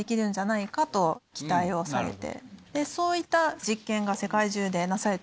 そういった実験が世界中でなされてまして。